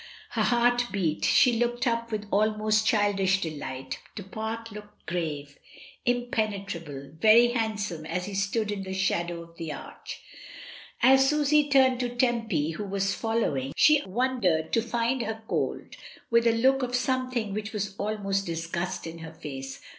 Her heart beat, she looked up with almost childish de light. Du Pare looked grave, impenetrable, very handsome as he stood in the shadow of the arcL As Susy turned to Tempy, who was following, she wondered to find her cold, with a look of something which was almost disgust in her face.